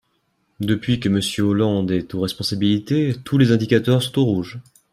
Depuis que Monsieur Hollande est aux responsabilités, tous les indicateurs sont au rouge.